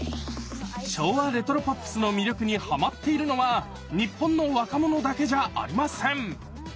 昭和レトロポップスの魅力にハマっているのは日本の若者だけじゃありません。